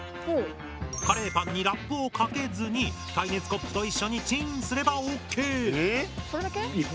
カレーパンにラップをかけずに耐熱コップと一緒にチンすればオッケー！